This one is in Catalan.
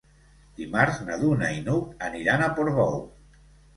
Dimarts na Duna i n'Hug aniran a Portbou.